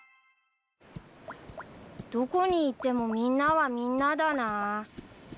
どこに行ってもみんなはみんなだな。